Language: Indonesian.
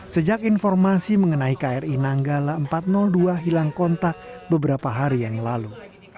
sejak informasi mengenai kri nanggala empat ratus dua hilang kontak beberapa hari yang lalu